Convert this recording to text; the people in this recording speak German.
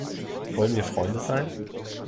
Wollen wir Freunde sein?